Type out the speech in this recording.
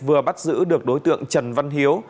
vừa bắt giữ được đối tượng trần văn hiếu